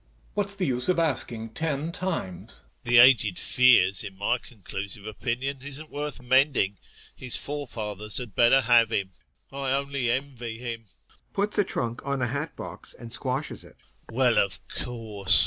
What's the use of asking ten times! EPIKHODOV. The aged Fiers, in my conclusive opinion, isn't worth mending; his forefathers had better have him. I only envy him. [Puts a trunk on a hat box and squashes it] Well, of course.